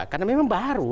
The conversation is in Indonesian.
karena memang baru